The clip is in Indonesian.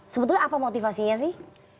sebetulnya apa motivasinya sih